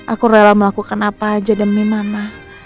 aku rela melakukan apa aja demi mana